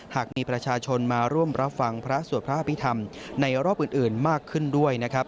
หากมีประชาชนมาร่วมรับฟังพระสวดพระอภิษฐรรมในรอบอื่นมากขึ้นด้วยนะครับ